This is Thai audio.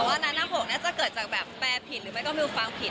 แต่ว่านั้นนะโภกน่าจะเกิดจากแบบแปลผิดหรือไม่ก็มิวฟังผิด